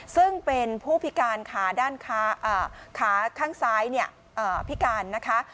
ซึ่งเป็นผู้พิการข้างซ้ายเนี่ยพิการนะคะ